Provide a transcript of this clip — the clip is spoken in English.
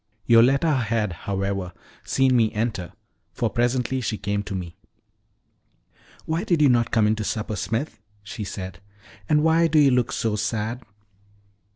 Yoletta had, however, seen me enter, for presently she came to me. "Why did you not come in to supper, Smith?" she said. "And why do you look so sad?"